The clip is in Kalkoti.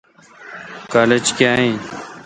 کالج کاں این۔